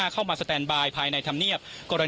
เข้ามาสแตนบายภายในธรรมเนียบ